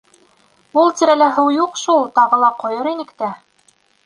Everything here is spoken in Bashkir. — Ул тирәлә һыу юҡ шул, тағы ла ҡойор инек тә.